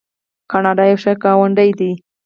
کاناډا یو ښه ګاونډی دی.